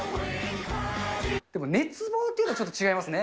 でも熱望というのはちょっと違いますね。